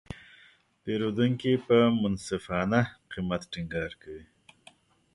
پیرودونکي په منصفانه قیمت ټینګار کوي.